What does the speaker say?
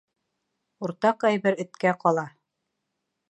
Уртаҡ әйбер эткә ҡала.